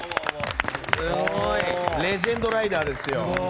レジェンドライダーですよ。